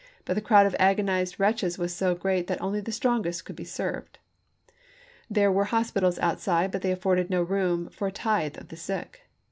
PRISONERS OF WAR 467 but the crowd of agonized wretches was so great chap.xvi. that only the strongest could be served. There were hospitals outside, but they afforded no room for a tithe of the sick.